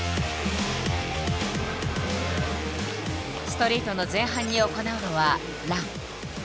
ストリートの前半に行うのは「ラン」。